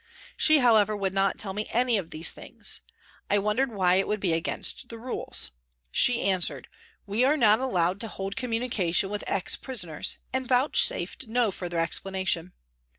She, however, would not tell me any of these things. I asked why it would be against the rules. She answered, " We are not allowed to hold communication with ex prisoners," and vouchsafed no further explanation.